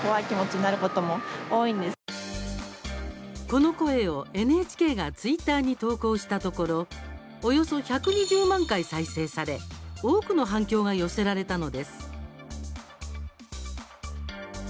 この声をＮＨＫがツイッターに投稿したところおよそ１２０万回再生され多くの反響が寄せられたのです。